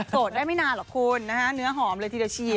ได้ไม่นานหรอกคุณนะฮะเนื้อหอมเลยทีเดียวชี